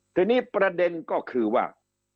ทีนี้ประเด็นก็คือว่า